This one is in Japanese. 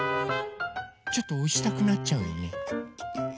ちょっとおしたくなっちゃうよね。